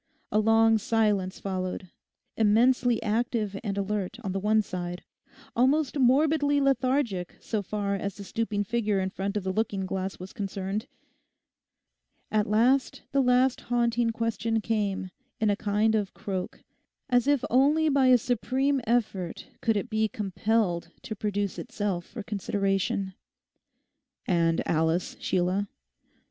A long silence followed, immensely active and alert on the one side, almost morbidly lethargic so far as the stooping figure in front of the looking glass was concerned. At last the last haunting question came in a kind of croak, as if only by a supreme effort could it be compelled to produce itself for consideration. 'And Alice, Sheila?